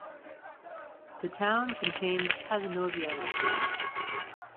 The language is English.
The Town contains Cazenovia Lake.